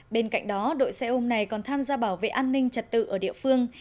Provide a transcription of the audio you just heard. bên cạnh đó đội xe ôm này còn tham gia bảo vệ an ninh trật tự ở địa phương